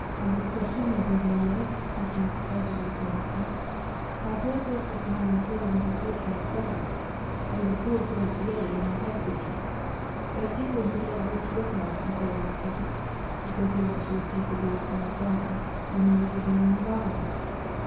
At this question, La Bédoyère, speaking excitedly from his seat: "I have heard voices around the throne of the fortunate sovereign; they withdraw from it to day when he is unfortunate. There are people who do not want to recognise Napoleon II., because they want to receive the law from the foreigner, to whom they give the name of Allies....